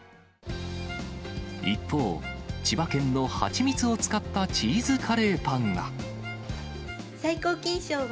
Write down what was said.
一方、千葉県の蜂蜜を使ったチーズカレーパンは。